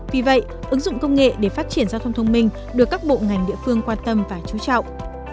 vì vậy ứng dụng công nghệ để phát triển giao thông thông minh được các bộ ngành địa phương quan tâm và chú trọng